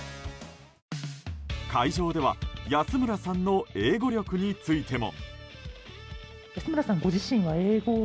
会場では安村さんの英語力についても。